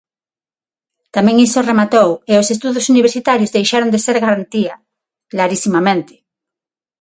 Tamén iso rematou e os estudos universitarios deixaron de ser garantía... Clarisimamente.